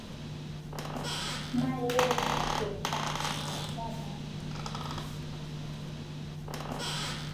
ไม่เลิกมั่วสุมตามคำสั่งเจ้าพนักงาน